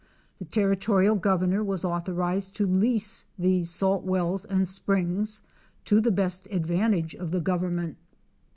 The Territorial Governor was authorized to lease these salt wells and springs to the best advantage of the Government.